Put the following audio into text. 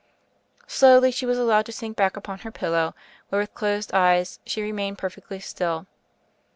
Slowly she was allowed to sink back upon her pillow, where, with closed eyes, she remained perfectly still.